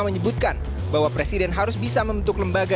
menyebutkan bahwa presiden harus bisa membentuk lembaga